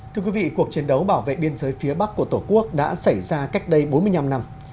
thưa quý vị cuộc chiến đấu bảo vệ biên giới phía bắc của tổ quốc đã xảy ra cách đây bốn mươi năm năm